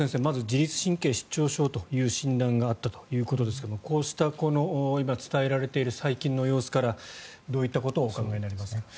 自律神経失調症という診断があったということですがこうした今、伝えられている最近の様子からどういったことをお考えになりますか？